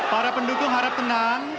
para pendukung harap tenang